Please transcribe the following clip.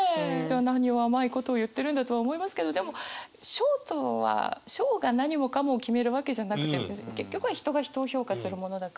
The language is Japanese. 何を甘いことを言ってるんだとは思いますけどでも賞とは賞が何もかもを決めるわけじゃなくて結局は人が人を評価するものだから。